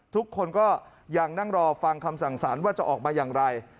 ทุกคนก็ยังนั่งรอฟังคำสั่งสารว่าจะออกมาอย่างไร